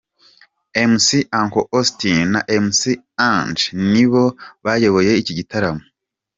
Mc Uncle Austin na Mc Ange ni bo bayoboye iki gitaramo.